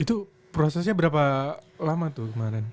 itu prosesnya berapa lama tuh kemarin